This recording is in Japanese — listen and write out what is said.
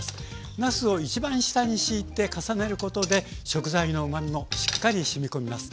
なすを一番下にしいて重ねることで食材のうまみもしっかりしみ込みます。